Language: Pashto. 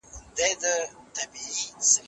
د ټیکنالوژۍ کارول د تولید کچه ډیره زیاتوي.